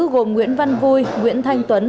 gồm nguyễn văn vui nguyễn thanh tuấn